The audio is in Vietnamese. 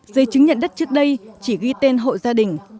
dây chứng nhận đất trước đây chỉ ghi tên hội gia đình